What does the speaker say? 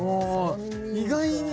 意外に。